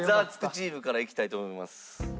チームからいきたいと思います。